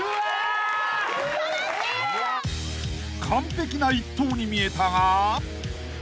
［完璧な一投に見えたが］